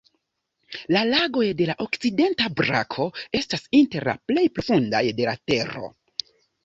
La lagoj de la okcidenta brako estas inter la plej profundaj de la Tero.